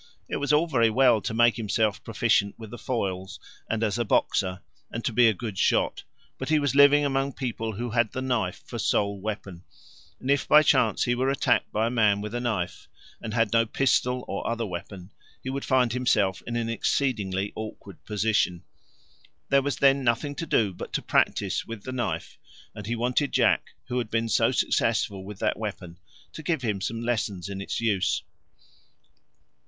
It was all very well to make himself proficient with the foils and as a boxer, and to be a good shot, but he was living among people who had the knife for sole weapon, and if by chance he were attacked by a man with a knife, and had no pistol or other weapon, he would find himself in an exceedingly awkward position. There was then nothing to do but to practise with the knife, and he wanted Jack, who had been so successful with that weapon, to give him some lessons in its use.